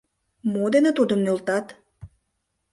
Мо дене тудым нӧлтат?